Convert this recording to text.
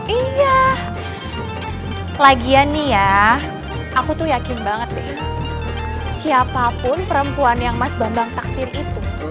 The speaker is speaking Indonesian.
iya lagian nih ya aku tuh yakin banget deh siapapun perempuan yang mas bambang taksir itu